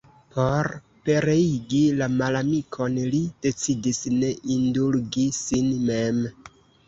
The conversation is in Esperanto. Por pereigi la malamikon, li decidis ne indulgi sin mem.